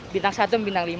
bintang satu bintang lima